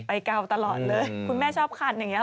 ไปเกราะตลอดเลย